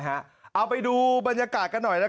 เอาไปดูบรรยากาศกันหน่อย